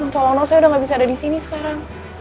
tolong nop saya udah gak bisa ada disini sekarang